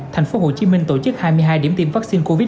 tp hcm tổ chức hai mươi hai điểm tiêm vaccine covid một mươi